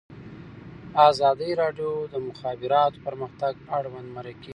ازادي راډیو د د مخابراتو پرمختګ اړوند مرکې کړي.